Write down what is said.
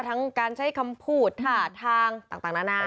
ทั้งการใช้คำพูดท่าทางต่างนานา